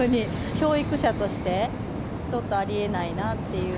教育者として、ちょっとありえないなっていう。